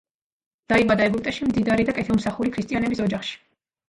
დაიბადა ეგვიპტეში, მდიდარი და კეთილმსახური ქრისტიანების ოჯახში.